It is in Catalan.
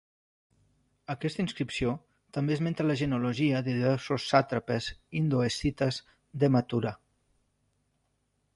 Aquesta inscripció també esmenta la genealogia de diversos sàtrapes indoescites de Mathura.